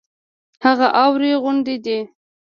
هغه اوارې غونډې دي.